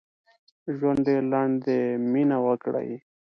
ژوند ډېر لنډ دي مينه وکړئ